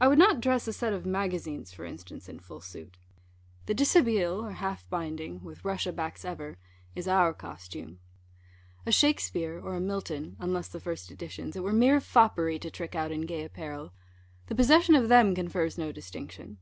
I would not dress a set of Magazines, for instance, in full suit. The dishabille, or half binding (with Russia backs ever) is our costume. A Shakespeare, or a Milton (unless the first editions), it were mere foppery to trick out in gay apparel. The possession of them confers no distinction.